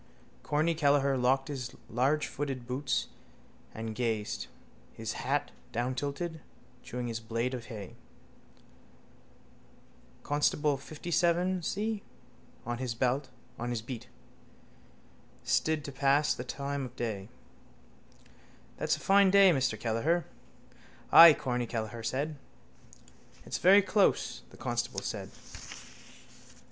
Corny Kelleher locked his largefooted boots and gazed, his hat downtilted, chewing his blade of hay. Constable 57C, on his beat, stood to pass the time of day. —That's a fine day, Mr Kelleher. —Ay, Corny Kelleher said. —It's very close, the constable said.